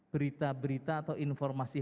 berita berita atau informasi